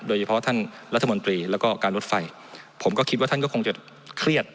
ท่านรัฐมนตรีแล้วก็การรถไฟผมก็คิดว่าท่านก็คงจะเครียด